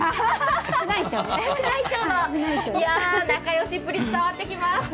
仲良しっぷり伝わってきます。